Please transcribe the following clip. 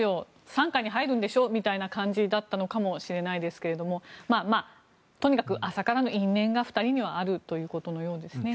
傘下に入るんでしょみたいな感じだったのかもしれないですけれどもとにかく浅からぬ因縁が２人にはあるということのようですね。